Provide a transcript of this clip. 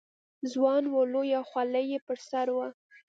ځوان و، لویه خولۍ یې پر سر وه.